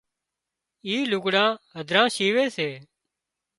اِي لُگھڙان هڌران شيوي سي